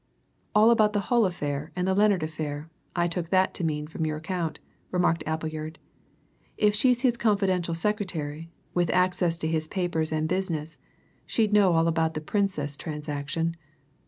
"All about the Hull affair and the Lennard affair, I took that to mean from your account," remarked Appleyard. "If she's his confidential secretary, with access to his papers and business, she'd know all about the Princess transaction.